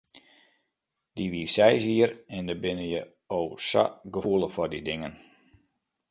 Dy wie seis jier en dan binne je o sa gefoelich foar dy dingen.